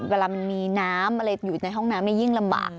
เวลามันมีน้ำอะไรอยู่ในห้องน้ำยิ่งลำบาก